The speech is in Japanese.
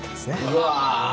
うわ。